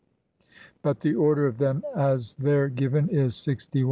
72); but the order of them as there given is 61, 60, 62.